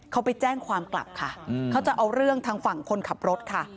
เขาไปแจ้งความกลับค่ะเขาจะเอาเรื่องทางฝั่งคนขับรถค่ะ